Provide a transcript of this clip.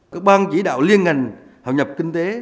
các bang chỉ đạo liên ngành hội nhập kinh tế